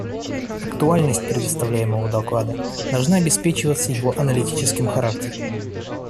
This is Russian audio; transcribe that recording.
Актуальность представляемого доклада должна обеспечиваться его аналитическим характером.